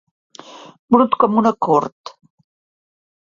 Brut com una cort.